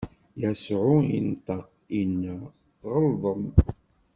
Yasuɛ inṭeq, inna: Tɣelḍem!